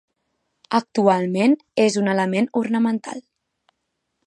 Actualment és un element ornamental.